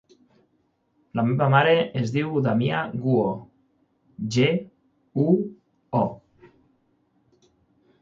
La meva mare es diu Damià Guo: ge, u, o.